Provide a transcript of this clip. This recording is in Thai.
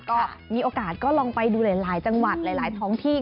ก็มีโอกาสก็ลองไปดูหลายจังหวัดหลายท้องที่